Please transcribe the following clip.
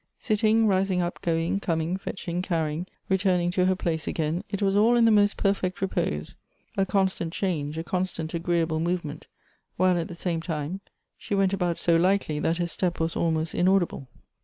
Sitting, rising up, going, com ing, fetching, carrying, returning to her place again, it was all in the most jjerfect repose ; a constant change, a con stant agreeable movement ; while, at the same time, she went about so lightly that her step was almost inaudible.